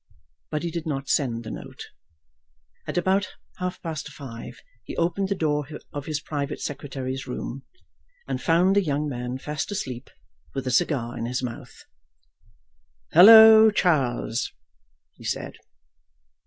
But he did not send the note. At about half past five he opened the door of his private secretary's room and found the young man fast asleep, with a cigar in his mouth. "Halloa, Charles," he said.